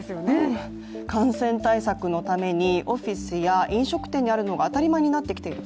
感染対策のためにオフィスや飲食店にあるのが当たり前になってきている